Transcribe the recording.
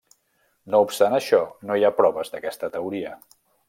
No obstant això, no hi ha proves d'aquesta teoria.